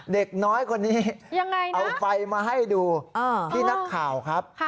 เด็กน้อยคนนี้เอาไฟมาให้ดูพี่นักข่าวครับ